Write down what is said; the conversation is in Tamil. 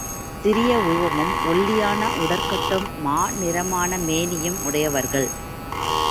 சிறிய உருவமும், ஒல்லியான உடற்கட்டும், மா நிறமான மேனியும் உடையவர்கள்.